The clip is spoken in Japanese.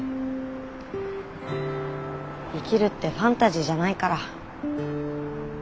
生きるってファンタジーじゃないから。